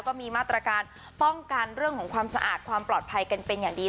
ก็มีมาตรการป้องกันเรื่องของความสะอาดความปลอดภัยกันเป็นอย่างดี